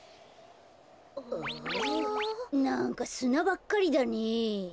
なんかすなばっかりだねえ。